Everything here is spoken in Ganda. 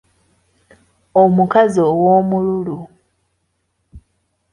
Omukazi ow'omululu.